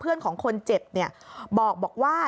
เพื่อนของคนเจ็บบอกว่า